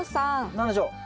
何でしょう？